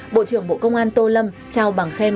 bộ trưởng bộ công an tô lâm trao bằng khen